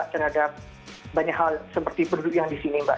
terhadap banyak hal seperti penduduk yang di sini mbak